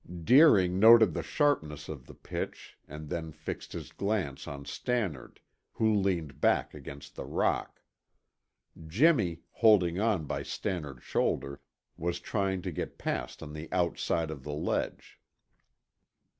Deering noted the sharpness of the pitch and then fixed his glance on Stannard, who leaned back against the rock. Jimmy, holding on by Stannard's shoulder, was trying to get past on the outside of the ledge.